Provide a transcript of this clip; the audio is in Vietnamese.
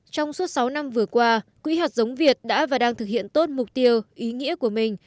trong suốt sáu năm vừa qua quỹ hạt giống việt đã và đang thực hiện tốt mục tiêu ý nghĩa của mình